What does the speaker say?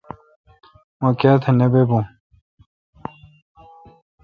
ما کاَتہ نہ بی بون